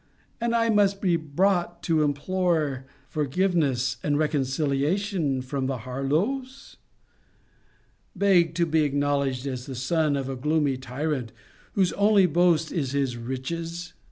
And must I be brought to implore forgiveness and reconciliation from the Harlowes? Beg to be acknowledged as the son of a gloomy tyrant, whose only boast is his riches?